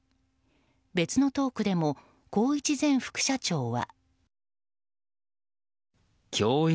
別のトークでも宏一前副社長は。